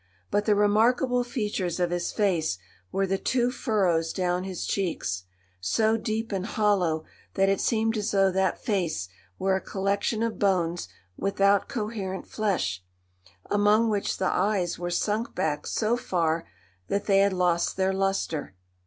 But the remarkable features of his face were the two furrows down his cheeks, so deep and hollow that it seemed as though that face were a collection of bones without coherent flesh, among which the eyes were sunk back so far that they had lost their lustre.